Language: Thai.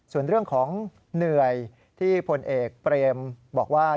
ส่วนเรื่องของเหนื่อยที่ผลเอกเปรมบอกว่า